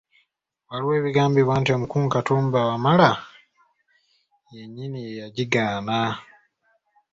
Waliwo ebigambibwa nti omukungu Katumba Wamala yennyini ye yagigaana.